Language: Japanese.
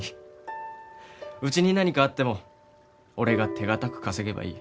うちに何かあっても俺が手堅く稼げばいい。